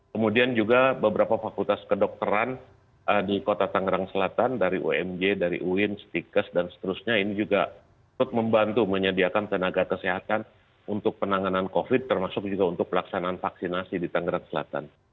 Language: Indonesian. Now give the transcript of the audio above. kemudian juga beberapa fakultas kedokteran di kota tangerang selatan dari umj dari uin stikers dan seterusnya ini juga membantu menyediakan tenaga kesehatan untuk penanganan covid termasuk juga untuk pelaksanaan vaksinasi di tangerang selatan